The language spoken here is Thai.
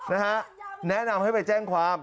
นะฮะแนะนำให้ไปแจ้งความ